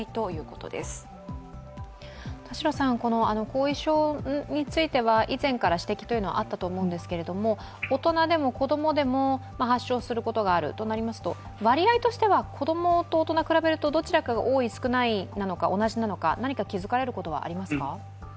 後遺症については以前から指摘はあったと思うんですが大人でも子供でも発症することがあるとなりますと割合としては子供と大人比べるとどちらが多い、少ないのか、同じなのか、何か気づかれることはありますか？